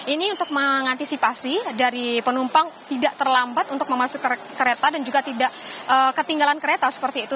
ini untuk mengantisipasi dari penumpang tidak terlambat untuk memasuki kereta dan juga tidak ketinggalan kereta seperti itu